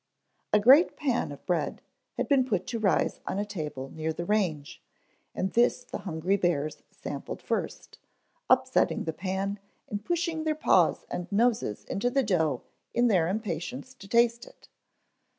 A great pan of bread had been put to rise on a table near the range and this the hungry bears sampled first, upsetting the pan and pushing their paws and noses into the dough in their impatience to taste it.